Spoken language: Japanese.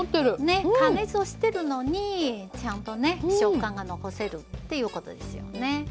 ね加熱してるのにちゃんとね食感が残せるっていうことですよね。